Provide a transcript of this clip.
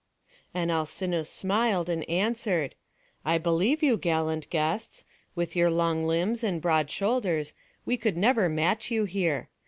And Alcinous smiled, and answered: "I believe you, gallant guests; with your long limbs and broad shoulders, we could never match you here.